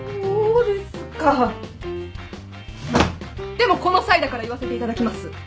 でもこの際だから言わせていただきます。